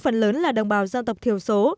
phần lớn là đồng bào gia tộc thiểu số